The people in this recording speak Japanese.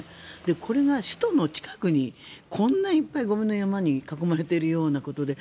これが首都の近くにこんないっぱいゴミの山に囲まれているようなことで。